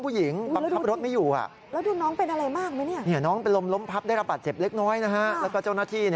จริงจะเลี้ยวขวาตรงนี้